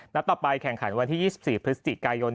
ต่อไปแข่งขันวันที่๒๔พฤศจิกายน